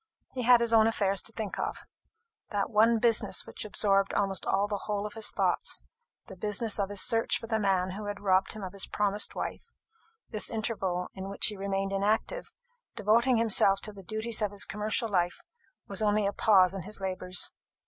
He had his own affairs to think of, that one business which absorbed almost the whole of his thoughts the business of his search for the man who had robbed him of his promised wife, this interval, in which he remained inactive, devoting himself to the duties of his commercial life, was only a pause in his labours.